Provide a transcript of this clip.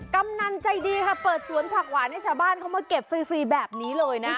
กำนันใจดีค่ะเปิดสวนผักหวานให้ชาวบ้านเขามาเก็บฟรีแบบนี้เลยนะ